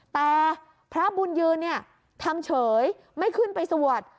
แต่พระบุญยืนเนี่ยทำเฉยไม่ขึ้นไปสวด